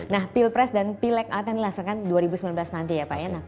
nah pilpres dan pileg akan dilaksanakan dua ribu sembilan belas nanti ya pak ya